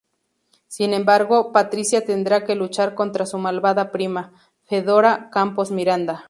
Sin embargo, Patricia tendrá que luchar contra su malvada prima, Fedora Campos-Miranda.